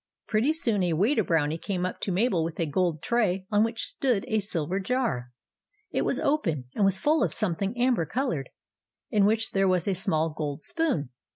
Pretty soon a Waiter Brownie came up to Mabel with a gold tray on which stood a silver jar. It was open, and was full of something amber coloured, in which there was a small gold spoon.